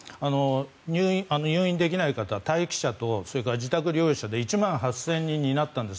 入院できない方、待機者と自宅療養者で１万８０００人になったんです。